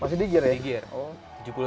masih di gear ya